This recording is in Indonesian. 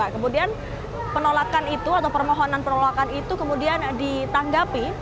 kemudian penolakan itu atau permohonan penolakan itu kemudian ditanggapi